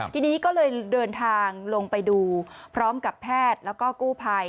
ทีนี้ก็เลยเดินทางลงไปดูพร้อมกับแพทย์แล้วก็กู้ภัย